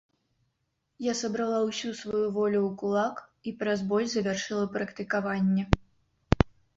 Я сабрала ўсю сваю волю ў кулак і праз боль завяршыла практыкаванне.